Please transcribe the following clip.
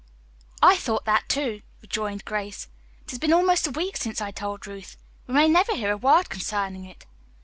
"I thought that, too," rejoined Grace. "It has been almost a week since I told Ruth. We may never hear a word concerning it."